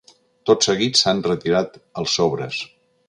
Tot seguit, s’han retirat els sobres.